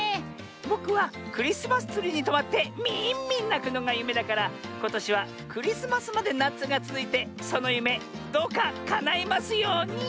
ぼくはクリスマスツリーにとまってミーンミンなくのがゆめだからことしはクリスマスまでなつがつづいてそのゆめどうかかないますように！